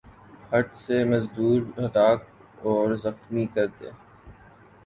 ہت سے مزدور ہلاک اور زخمی کر دے